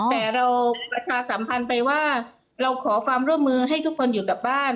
แต่เราประชาสัมพันธ์ไปว่าเราขอความร่วมมือให้ทุกคนอยู่กับบ้าน